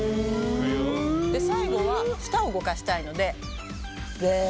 最後は舌を動かしたいので「べー」。